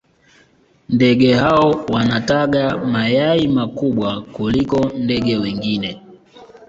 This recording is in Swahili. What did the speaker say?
ndege hao wanataga mayai makubwa kuliko ndege wengine